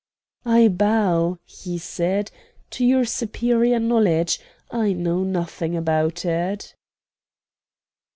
"I bow," he said, "to your superior knowledge. I know nothing about it."